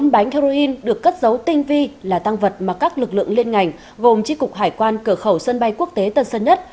bốn bánh heroin được cất dấu tinh vi là tăng vật mà các lực lượng liên ngành gồm tri cục hải quan cửa khẩu sân bay quốc tế tân sơn nhất